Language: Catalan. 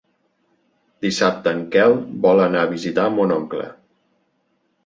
Dissabte en Quel vol anar a visitar mon oncle.